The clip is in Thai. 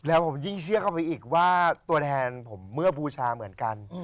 แล้วผมยิ่งเชื่อเข้าไปอีกว่าตัวแทนผมเมื่อบูชาเหมือนกัน